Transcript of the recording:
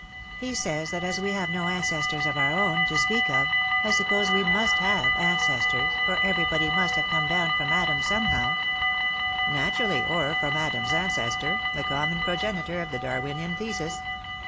He says that as we have no ancestors of our own — to speak of — I suppose we must have ancestors, for everybody must have come down from Adam somehow " "Naturally, or from Adam's ancestor, the common progenitor of the Darwinian thesis."